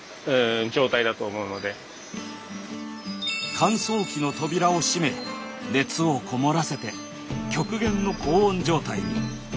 乾燥機の扉を閉め熱を籠もらせて極限の高温状態に。